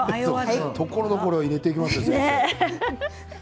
ところどころ入れていきますね、先生。